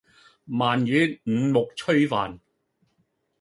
鰻魚五目炊飯